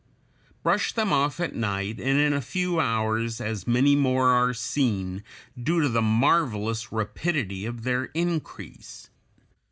Brush them off at night and in a few hours as many more are seen, due to the marvelous rapidity of their increase.